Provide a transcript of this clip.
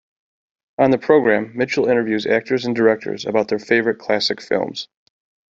On the program, Mitchell interviews actors and directors about their favorite classic films.